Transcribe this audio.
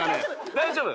大丈夫。